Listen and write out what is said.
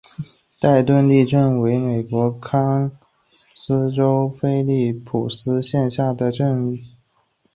代顿镇区为美国堪萨斯州菲利普斯县辖下的镇区。